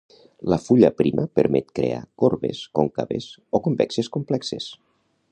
La fulla prima permet crear corbes còncaves o convexes complexes.